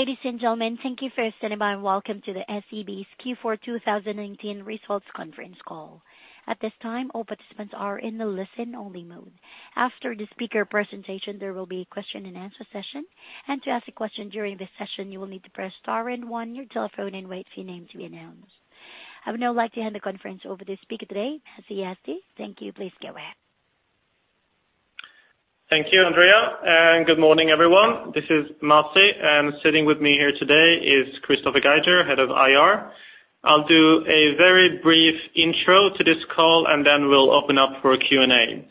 Ladies and gentlemen, thank you for standing by, and welcome to the SEB's Q4 2019 results conference call. At this time, all participants are in the listen-only mode. After the speaker presentation, there will be a question and answer session. To ask a question during this session, you will need to press star and one on your telephone and wait for your name to be announced. I would now like to hand the conference over to the speaker today, Mattias Sundling. Thank you. Please go ahead. Thank you, Andrea. Good morning, everyone. This is Mattias. Sitting with me here today is Christoffer Geijer, Head of IR. I'll do a very brief intro to this call. We'll open up for Q&A.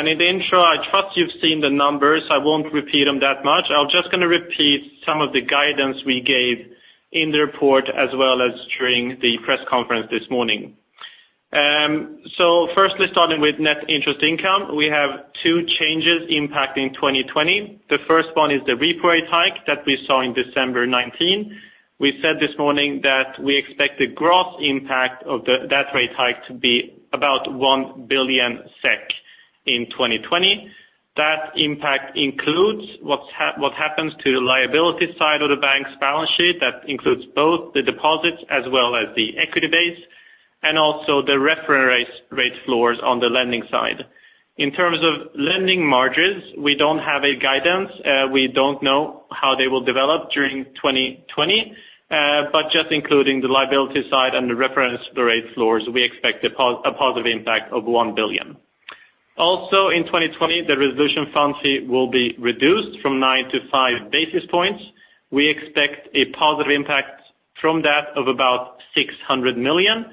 In the intro, I trust you've seen the numbers. I won't repeat them that much. I'm just going to repeat some of the guidance we gave in the report, as well as during the press conference this morning. Firstly, starting with net interest income. We have two changes impacting 2020. The first one is the repo rate hike that we saw in December 2019. We said this morning that we expect the gross impact of that rate hike to be about 1 billion SEK in 2020. That impact includes what happens to the liability side of the bank's balance sheet. That includes both the deposits as well as the equity base, and also the reference rate floors on the lending side. In terms of lending margins, we don't have a guidance. We don't know how they will develop during 2020. Just including the liability side and the reference rate floors, we expect a positive impact of 1 billion. Also in 2020, the resolution fund fee will be reduced from nine to five basis points. We expect a positive impact from that of about 600 million.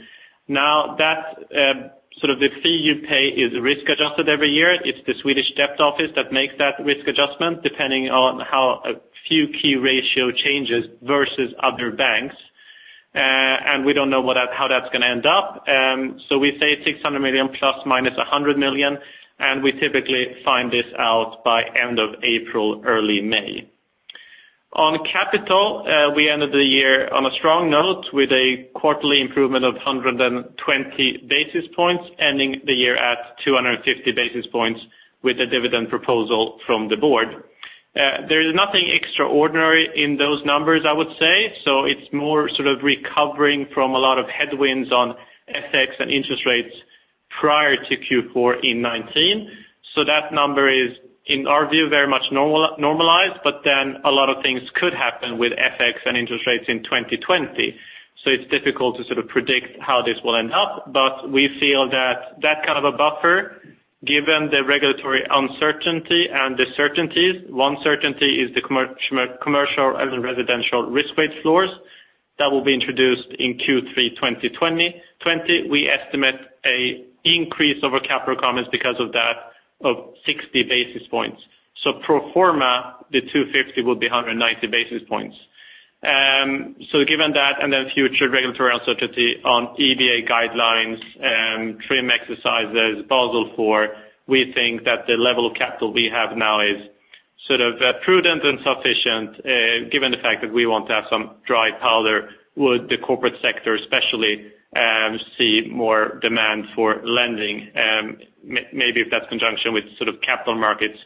The fee you pay is risk-adjusted every year. It's the Swedish National Debt Office that makes that risk adjustment depending on how a few key ratio changes versus other banks. We don't know how that's going to end up. We say 600 million ± 100 million, and we typically find this out by end of April, early May. On capital, we ended the year on a strong note with a quarterly improvement of 120 basis points, ending the year at 250 basis points with a dividend proposal from the board. There is nothing extraordinary in those numbers, I would say. It's more recovering from a lot of headwinds on FX and interest rates prior to Q4 in 2019. That number is, in our view, very much normalized, but then a lot of things could happen with FX and interest rates in 2020. It's difficult to predict how this will end up, but we feel that that kind of a buffer, given the regulatory uncertainty and the certainties. One certainty is the commercial and residential risk weight floors that will be introduced in Q3 2020. We estimate an increase of our capital requirements because of that of 60 basis points. Pro forma, the 250 basis points will be 190 basis points. Given that, and future regulatory uncertainty on EBA guidelines, TRIM exercises, Basel IV, we think that the level of capital we have now is prudent and sufficient, given the fact that we want to have some dry powder would the corporate sector especially see more demand for lending. Maybe if that's conjunction with capital markets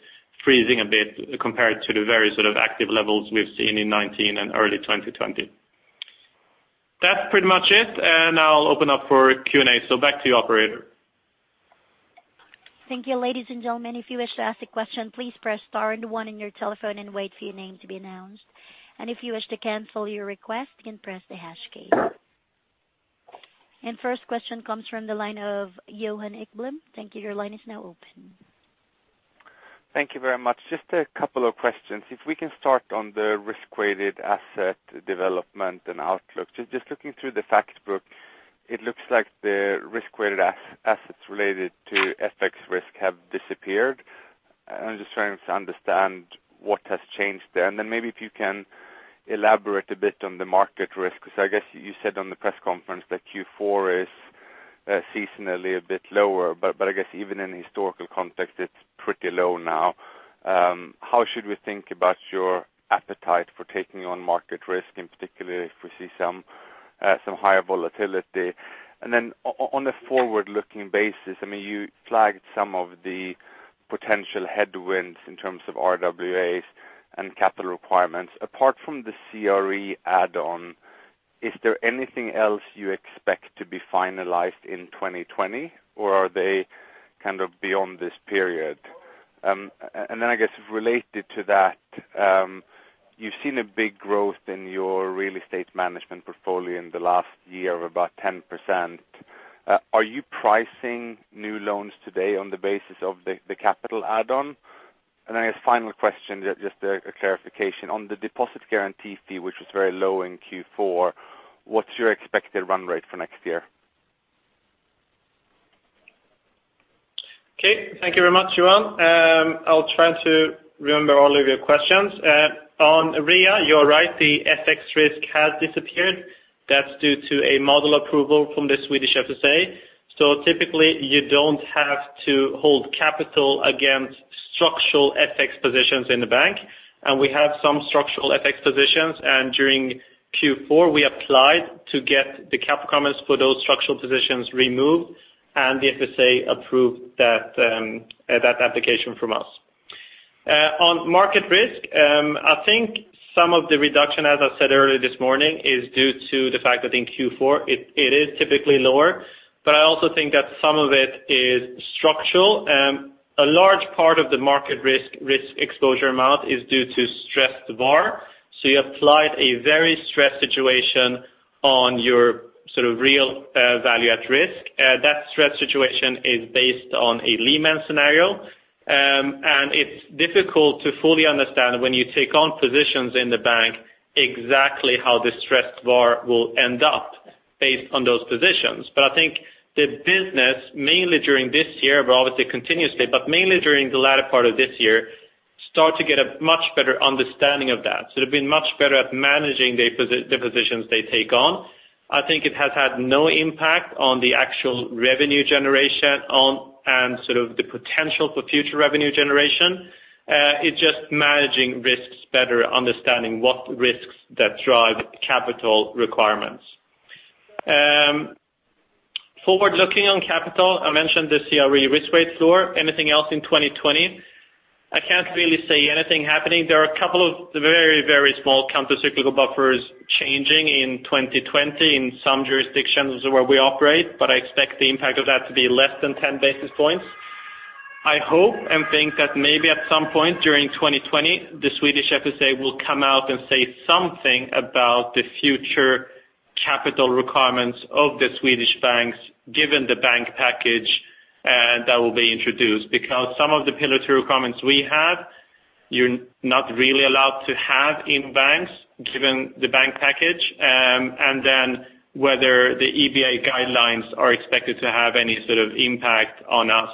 freezing a bit compared to the very active levels we've seen in 2019 and early 2020. That's pretty much it. Now I'll open up for Q&A. Back to you, operator. Thank you. Ladies and gentlemen, if you wish to ask a question, please press star and one on your telephone and wait for your name to be announced. If you wish to cancel your request, you can press the hash key. First question comes from the line of Johan Ekblom. Thank you. Your line is now open. Thank you very much. Just a couple of questions. If we can start on the risk-weighted asset development and outlook. Just looking through the fact book, it looks like the risk-weighted assets related to FX risk have disappeared. I'm just trying to understand what has changed there. Then maybe if you can elaborate a bit on the market risk, because I guess you said on the press conference that Q4 is seasonally a bit lower, but I guess even in historical context, it's pretty low now. How should we think about your appetite for taking on market risk, and particularly if we see some higher volatility? Then on a forward-looking basis, you flagged some of the potential headwinds in terms of RWAs and capital requirements. Apart from the CRE add-on, is there anything else you expect to be finalized in 2020? Or are they beyond this period? I guess related to that, you've seen a big growth in your real estate management portfolio in the last year of about 10%. Are you pricing new loans today on the basis of the capital add-on? I guess final question, just a clarification. On the deposit guarantee fee, which was very low in Q4, what's your expected run rate for next year? Okay. Thank you very much, Johan. I'll try to remember all of your questions. On RWA, you're right, the FX risk has disappeared. That's due to a model approval from the Swedish FSA. Typically, you don't have to hold capital against structural FX positions in the bank. We have some structural FX positions, and during Q4 we applied to get the capital comments for those structural positions removed. The FSA approved that application from us. On market risk, I think some of the reduction, as I said earlier this morning, is due to the fact that in Q4 it is typically lower. I also think that some of it is structural. A large part of the market risk exposure amount is due to stressed VaR. You applied a very stressed situation on your real value at risk. That stressed situation is based on a Lehman scenario, and it's difficult to fully understand when you take on positions in the bank exactly how the stressed VaR will end up based on those positions. I think the business, mainly during this year, but obviously continuously, but mainly during the latter part of this year, start to get a much better understanding of that. They've been much better at managing the positions they take on. I think it has had no impact on the actual revenue generation on, and the potential for future revenue generation. It's just managing risks better, understanding what risks that drive capital requirements. Forward looking on capital, I mentioned the CRE risk weight floor. Anything else in 2020? I can't really say anything happening. There are a couple of very, very small countercyclical buffers changing in 2020 in some jurisdictions where we operate, but I expect the impact of that to be less than 10 basis points. I hope and think that maybe at some point during 2020, the Swedish FSA will come out and say something about the future capital requirements of the Swedish banks, given the banking package that will be introduced. Some of the Pillar two requirements we have, you're not really allowed to have in banks given the banking package. Whether the EBA guidelines are expected to have any sort of impact on us.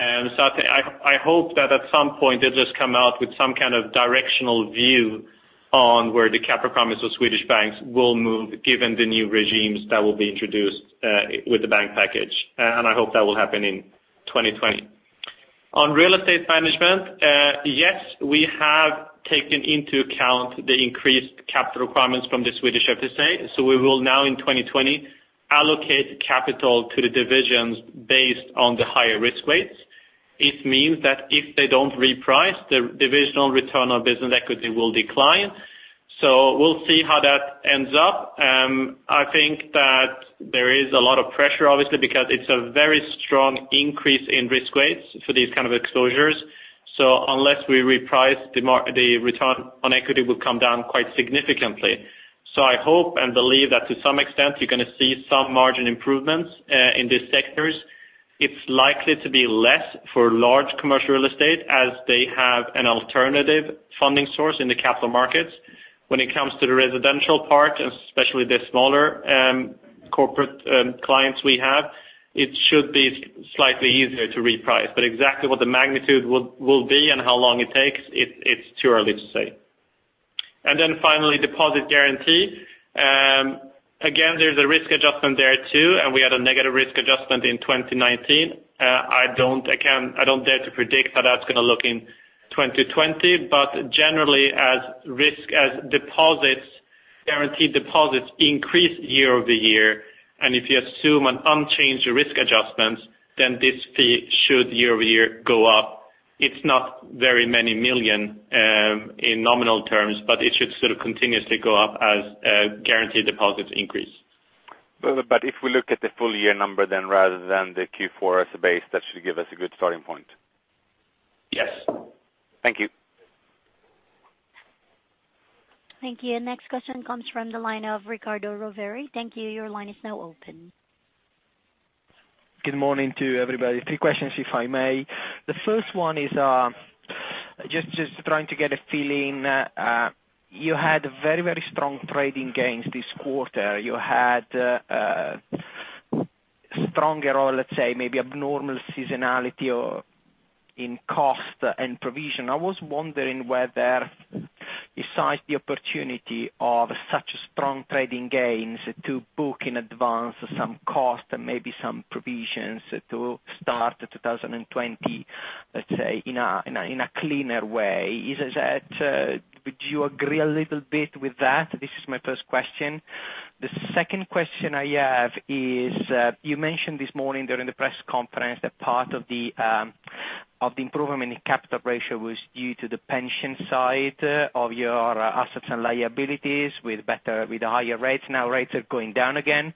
I hope that at some point they'll just come out with some kind of directional view on where the capital requirements of Swedish banks will move given the new regimes that will be introduced with the banking package. I hope that will happen in 2020. On real estate management, yes, we have taken into account the increased capital requirements from the Swedish FSA. We will now in 2020 allocate capital to the divisions based on the higher risk weights. It means that if they don't reprice, the divisional return on business equity will decline. We'll see how that ends up. I think that there is a lot of pressure, obviously, because it's a very strong increase in risk weights for these kind of exposures. Unless we reprice, the return on equity will come down quite significantly. I hope and believe that to some extent, you're going to see some margin improvements in these sectors. It's likely to be less for large commercial real estate as they have an alternative funding source in the capital markets. When it comes to the residential part, especially the smaller corporate clients we have, it should be slightly easier to reprice, but exactly what the magnitude will be and how long it takes, it's too early to say. Finally, deposit guarantee. Again, there's a risk adjustment there too, and we had a negative risk adjustment in 2019. I don't dare to predict how that's going to look in 2020, but generally as guaranteed deposits increase year-over-year, and if you assume an unchanged risk adjustments, then this fee should year-over-year go up. It's not very many million in nominal terms, but it should continuously go up as guaranteed deposits increase. If we look at the full year number then rather than the Q4 as a base, that should give us a good starting point. Yes. Thank you. Thank you. Next question comes from the line of Riccardo Rovere. Thank you, your line is now open. Good morning to everybody. Three questions, if I may. The first one is just trying to get a feeling. You had very, very strong trading gains this quarter. You had stronger, or let's say maybe abnormal seasonality in cost and provision. I was wondering whether, besides the opportunity of such strong trading gains, to book in advance some cost and maybe some provisions to start 2020, let's say, in a cleaner way. Would you agree a little bit with that? This is my first question. The second question I have is, you mentioned this morning during the press conference that part of the improvement in the capital ratio was due to the pension side of your assets and liabilities with higher rates. Now rates are going down again.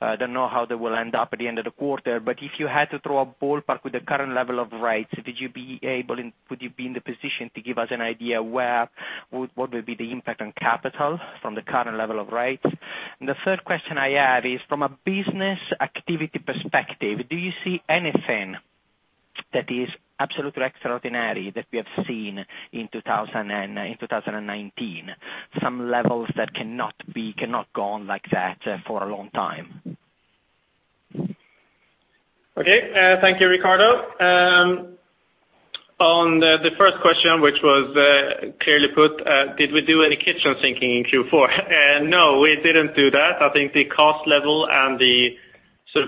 I don't know how they will end up at the end of the quarter, but if you had to throw a ballpark with the current level of rates, would you be in the position to give us an idea what will be the impact on capital from the current level of rates? The third question I have is from a business activity perspective, do you see anything that is absolutely extraordinary that we have seen in 2019? Some levels that cannot go on like that for a long time. Okay. Thank you, Riccardo. On the first question, which was clearly put, did we do any kitchen sinking in Q4? No, we didn't do that. I think the cost level and the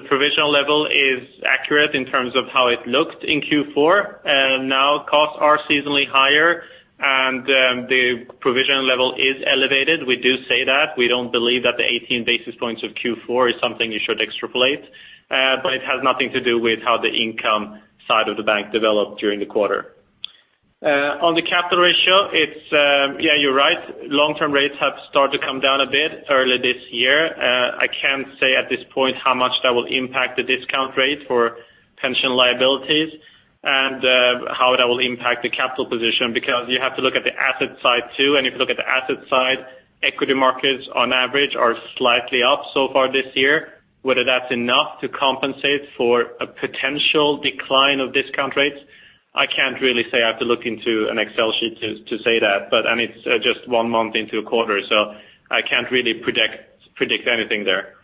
provisional level is accurate in terms of how it looked in Q4. Costs are seasonally higher, and the provision level is elevated. We do say that. We don't believe that the 18 basis points of Q4 is something you should extrapolate. It has nothing to do with how the income side of the bank developed during the quarter. On the capital ratio, yeah, you're right. Long-term rates have started to come down a bit early this year. I can't say at this point how much that will impact the discount rate for pension liabilities and how that will impact the capital position, because you have to look at the asset side too. If you look at the asset side, equity markets on average are slightly up so far this year. Whether that's enough to compensate for a potential decline of discount rates, I can't really say. I have to look into an Excel sheet to say that. It's just one month into a quarter, so I can't really predict anything there.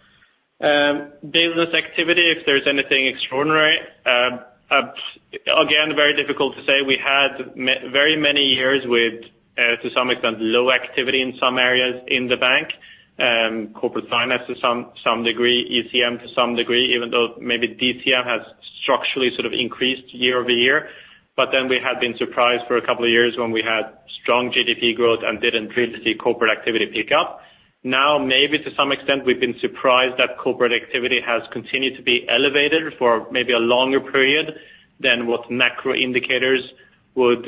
Business activity, if there's anything extraordinary, again, very difficult to say. We had very many years with, to some extent, low activity in some areas in the bank. Corporate finance to some degree, ECM to some degree, even though maybe DCM has structurally sort of increased year-over-year. We have been surprised for a couple of years when we had strong GDP growth and didn't really see corporate activity pick up. Maybe to some extent, we've been surprised that corporate activity has continued to be elevated for maybe a longer period than what macro indicators would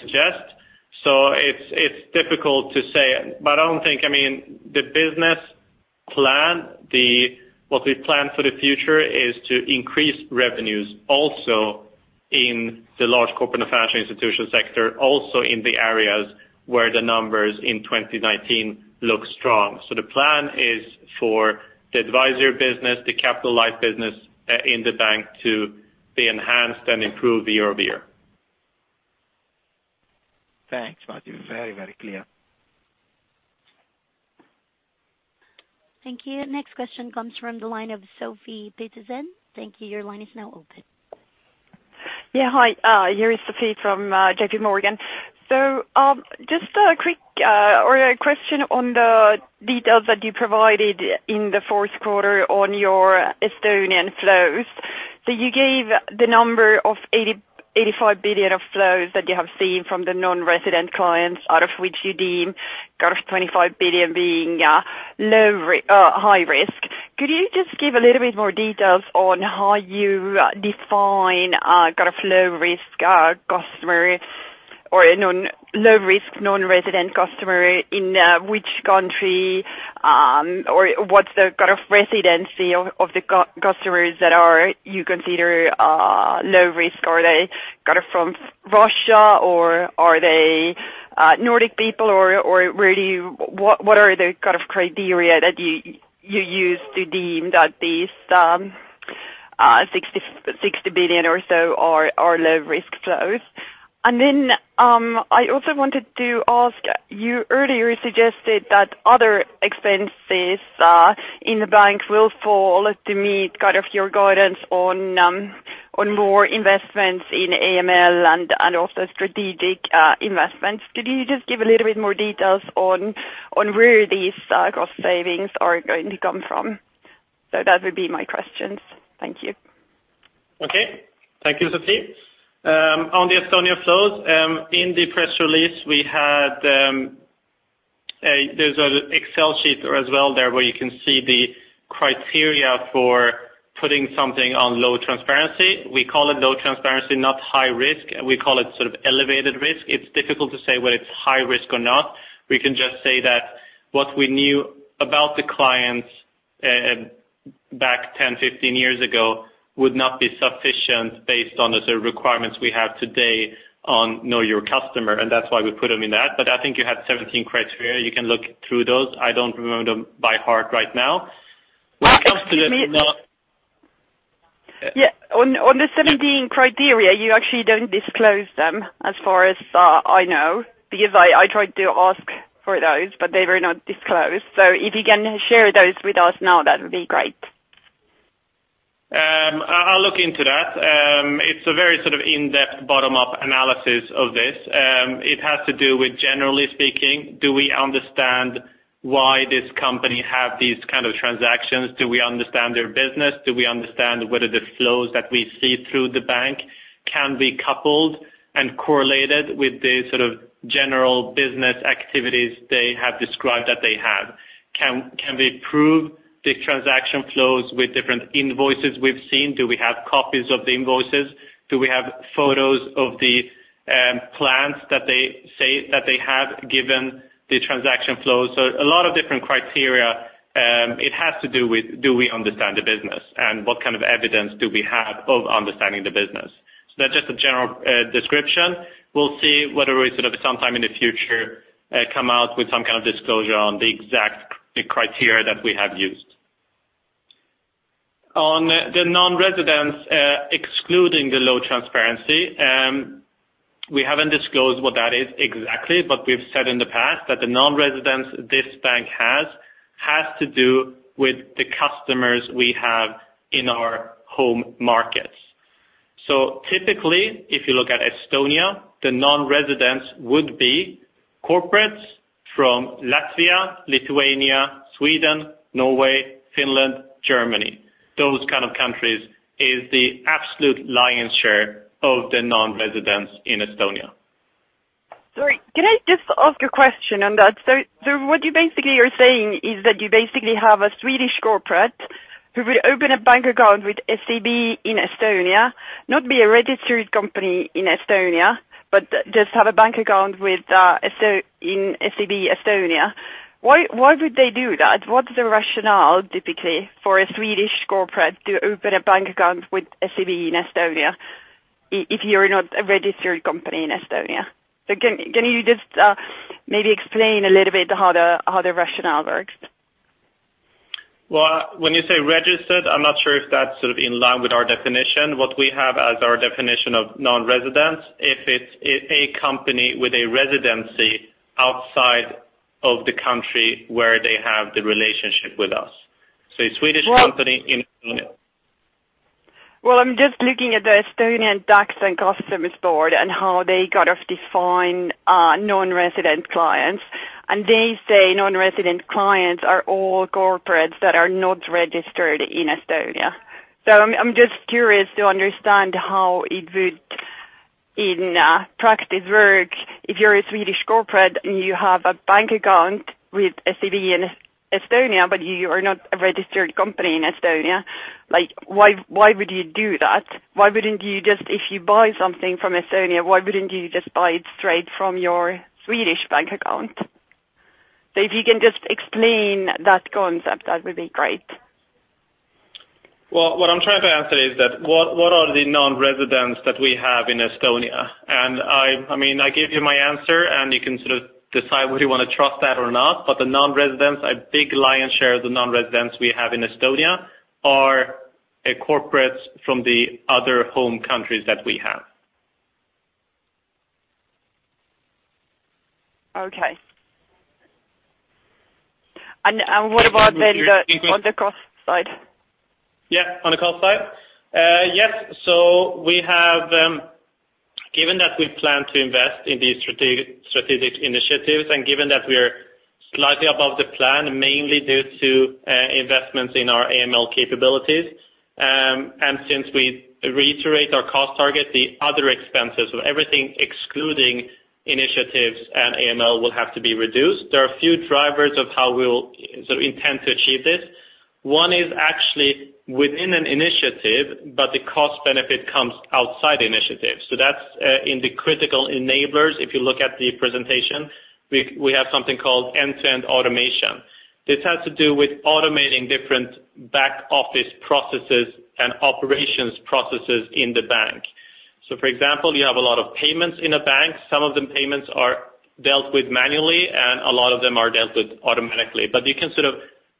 suggest. It's difficult to say, I don't think the business plan, what we plan for the future is to increase revenues also in the large corporate and financial institution sector, also in the areas where the numbers in 2019 look strong. The plan is for the advisory business, the capital-light business in the bank to be enhanced and improved year-over-year. Thanks, Mattias. Very, very clear. Thank you. Next question comes from the line of Sofie Peterzéns. Thank you. Your line is now open. Hi, here is Sofie from JPMorgan. Just a quick question on the details that you provided in the fourth quarter on your Estonian flows. You gave the number of 85 billion of flows that you have seen from the non-resident clients, out of which you deem kind of 25 billion being high risk. Could you just give a little bit more details on how you define kind of low-risk customer or low-risk non-resident customer, in which country, or what's the kind of residency of the customers that you consider low risk? Are they from Russia or are they Nordic people or what are the kind of criteria that you use to deem that these 60 billion or so are low-risk flows? I also wanted to ask, you earlier suggested that other expenses in the bank will fall to meet kind of your guidance on more investments in AML and also strategic investments. Could you just give a little bit more details on where these cost savings are going to come from? That would be my questions. Thank you. Okay. Thank you, Sofie. On the Estonia flows, in the press release, there's an Excel sheet as well there where you can see the criteria for putting something on low transparency. We call it low transparency, not high risk. We call it sort of elevated risk. It's difficult to say whether it's high risk or not. We can just say that what we knew about the clients back 10, 15 years ago would not be sufficient based on the sort of requirements we have today on Know Your Customer, that's why we put them in that. I think you had 17 criteria. You can look through those. I don't remember them by heart right now. Yeah. On the 17 criteria, you actually don't disclose them as far as I know, because I tried to ask for those, but they were not disclosed. If you can share those with us now, that would be great. I'll look into that. It's a very sort of in-depth bottom-up analysis of this. It has to do with, generally speaking, do we understand why this company have these kind of transactions? Do we understand their business? Do we understand whether the flows that we see through the bank can be coupled and correlated with the sort of general business activities they have described that they have? Can we prove the transaction flows with different invoices we've seen? Do we have copies of the invoices? Do we have photos of the plants that they say that they have, given the transaction flows? A lot of different criteria. It has to do with, do we understand the business and what kind of evidence do we have of understanding the business? That's just a general description. We'll see whether we sort of sometime in the future, come out with some kind of disclosure on the exact criteria that we have used. On the non-residents, excluding the low transparency, we haven't disclosed what that is exactly. We've said in the past that the non-residents this bank has to do with the customers we have in our home markets. Typically, if you look at Estonia, the non-residents would be corporates from Latvia, Lithuania, Sweden, Norway, Finland, Germany. Those kind of countries is the absolute lion's share of the non-residents in Estonia. Sorry, can I just ask a question on that? What you basically are saying is that you basically have a Swedish corporate who will open a bank account with SEB in Estonia, not be a registered company in Estonia, but just have a bank account in SEB Pank. Why would they do that? What's the rationale typically for a Swedish corporate to open a bank account with SEB in Estonia if you're not a registered company in Estonia? Can you just maybe explain a little bit how the rationale works? Well, when you say registered, I'm not sure if that's in line with our definition. What we have as our definition of non-residents, if it's a company with a residency outside of the country where they have the relationship with us. A Swedish company in Estonia. I'm just looking at the Estonian Tax and Customs Board and how they kind of define non-resident clients, and they say non-resident clients are all corporates that are not registered in Estonia. I'm just curious to understand how it would, in practice, work if you're a Swedish corporate and you have a bank account with SEB in Estonia, but you are not a registered company in Estonia. Why would you do that? If you buy something from Estonia, why wouldn't you just buy it straight from your Swedish bank account? If you can just explain that concept, that would be great. Well, what I'm trying to answer is that, what are the non-residents that we have in Estonia? I gave you my answer, and you can decide whether you want to trust that or not. A big lion's share of the non-residents we have in Estonia are corporates from the other home countries that we have. Okay. What about then on the cost side? Yeah, on the cost side? Yes. Given that we plan to invest in these strategic initiatives, and given that we are slightly above the plan, mainly due to investments in our AML capabilities, and since we reiterate our cost target, the other expenses of everything excluding initiatives and AML will have to be reduced. There are a few drivers of how we'll intend to achieve this. One is actually within an initiative, but the cost benefit comes outside the initiative. That's in the critical enablers, if you look at the presentation, we have something called end-to-end automation. This has to do with automating different back-office processes and operations processes in the bank. For example, you have a lot of payments in a bank. Some of the payments are dealt with manually, and a lot of them are dealt with automatically. You can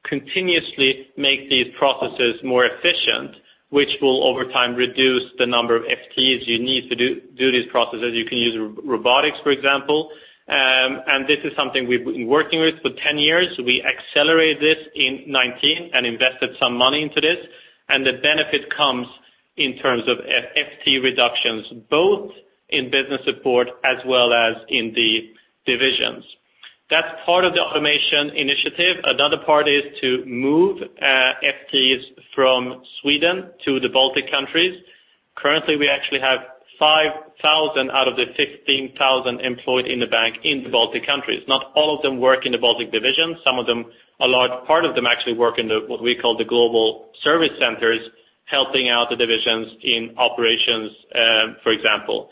continuously make these processes more efficient, which will over time reduce the number of FTEs you need to do these processes. You can use robotics, for example, and this is something we've been working with for 10 years. We accelerated this in 2019 and invested some money into this, and the benefit comes in terms of FTE reductions, both in business support as well as in the divisions. That's part of the automation initiative. Another part is to move FTEs from Sweden to the Baltic countries. Currently, we actually have 5,000 out of the 15,000 employed in the bank in the Baltic countries. Not all of them work in the Baltic division. A large part of them actually work in what we call the global service centers, helping out the divisions in operations, for example.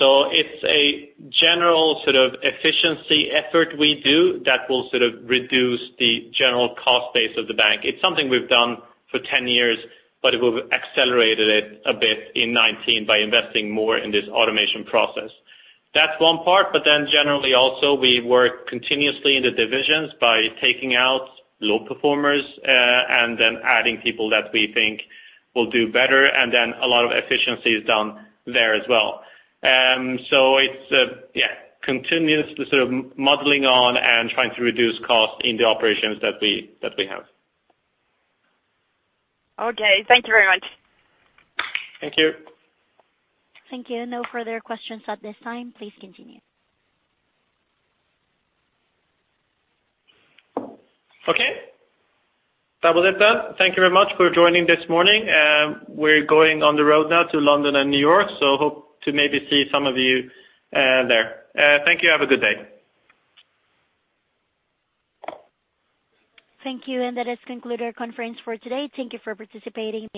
It's a general efficiency effort we do that will reduce the general cost base of the bank. It's something we've done for 10 years, but we've accelerated it a bit in 2019 by investing more in this automation process. That's one part. Generally also, we work continuously in the divisions by taking out low performers, and then adding people that we think will do better, and then a lot of efficiency is done there as well. It's continuously muddling on and trying to reduce costs in the operations that we have. Okay. Thank you very much. Thank you. Thank you. No further questions at this time. Please continue. Okay. That was it then. Thank you very much for joining this morning. We're going on the road now to London and New York. Hope to maybe see some of you there. Thank you. Have a good day. Thank you. That has concluded our conference for today. Thank you for participating.